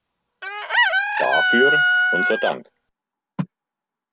Dafür unser Dank.